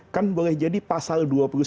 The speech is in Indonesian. kan boleh jadi pasal dua puluh satu